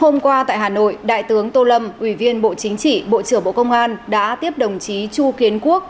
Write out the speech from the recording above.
hôm qua tại hà nội đại tướng tô lâm ủy viên bộ chính trị bộ trưởng bộ công an đã tiếp đồng chí chu kiến quốc